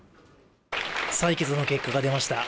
採決の結果が出ました。